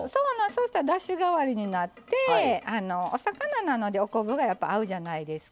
そしたらだし代わりになってお魚なのでお昆布がやっぱ合うじゃないですか。